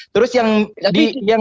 terus yang di yang